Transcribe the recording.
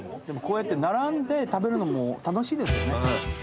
でもこうやって並んで食べるのも楽しいですよね。